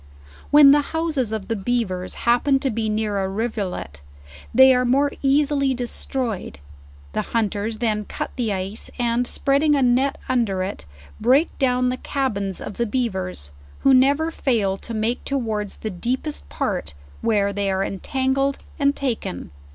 When the houses of the beavers happen to be near a riv ulet, they are more easily destroyed: the hunters then cut the ice, and spreading a net under it, break down the cabins of the beavers, who never fail to make towards the deepest part, where they are entangled and taken.